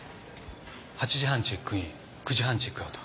８時半チェックイン９時半チェックアウト。